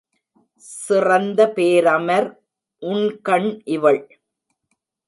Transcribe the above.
சிறந்த பேரமர் உண்கண் இவள்!